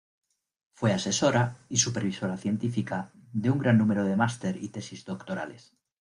Fue asesora y supervisora científica de un gran número de máster y tesis doctorales.